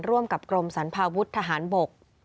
ร่วมกับกรมสรรพาวุฒิทหารบก